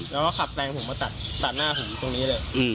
แล้วก็ขับแซงผมมาตัดหน้าผมตรงนี้เลย